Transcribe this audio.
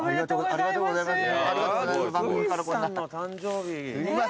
ありがとうございます。